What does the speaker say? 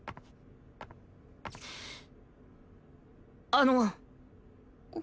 あの。